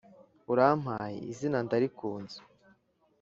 urampaye izina ndarikunze